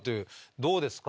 どうですか？